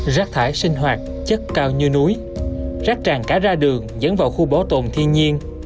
rác thải sinh hoạt chất cao như núi rác tràn cả ra đường dẫn vào khu bảo tồn thiên nhiên